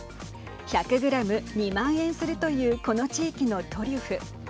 １００グラム、２万円するというこの地域のトリュフ。